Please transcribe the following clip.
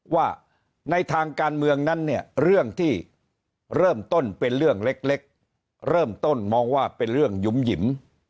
ว่าในทางการเมืองนั้นเนี่ยเรื่องที่เริ่มต้นเป็นเรื่องเล็กเริ่มต้นมองว่าเป็นเรื่องหยุ่มหยิม